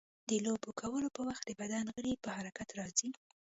د لوبو کولو په وخت د بدن غړي په حرکت راځي.